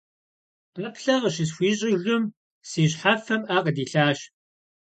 ӀэплӀэ къыщысхуищӀыжым, си щхьэфэм Ӏэ къыдилъащ.